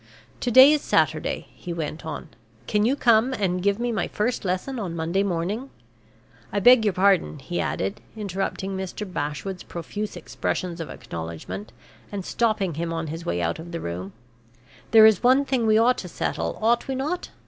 "To day is Saturday," he went on. "Can you come and give me my first lesson on Monday morning? I beg your pardon," he added, interrupting Mr. Bashwood's profuse expressions of acknowledgment, and stopping him on his way out of the room; "there is one thing we ought to settle, ought we not?